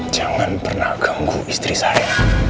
jangan pernah ganggu istri saya